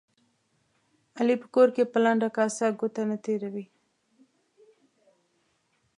علي په کور کې په لنده کاسه ګوته نه تېروي.